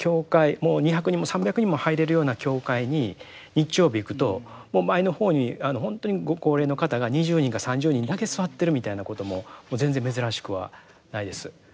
もう２００人も３００人も入れるような教会に日曜日行くと前の方にあの本当にご高齢の方が２０人か３０人だけ座ってるみたいなことも全然珍しくはないです。